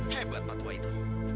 hebat patua itu